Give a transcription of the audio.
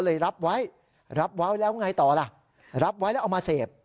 รับไว้รับไว้แล้วไงต่อล่ะรับไว้แล้วเอามาเสพ